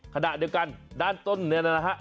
ขณะเดียวกันด้านต้นนี้นะครับ